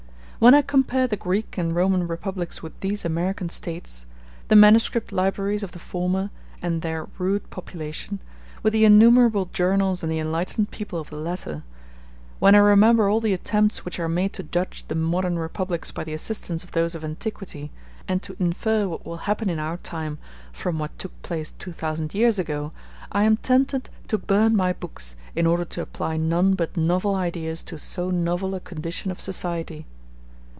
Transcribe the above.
When I compare the Greek and Roman republics with these American States; the manuscript libraries of the former, and their rude population, with the innumerable journals and the enlightened people of the latter; when I remember all the attempts which are made to judge the modern republics by the assistance of those of antiquity, and to infer what will happen in our time from what took place two thousand years ago, I am tempted to burn my books, in order to apply none but novel ideas to so novel a condition of society.